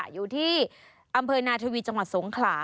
อยู่ที่อำเภอนาธวีจังหวัดสงขลา